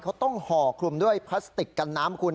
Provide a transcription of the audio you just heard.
เขาต้องห่อคลุมด้วยพลาสติกกันน้ำคุณ